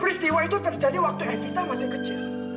peristiwa itu terjadi waktu evita masih kecil